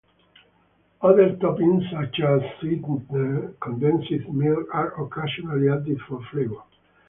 Other toppings, such as sweetened condensed milk, are occasionally added for flavor.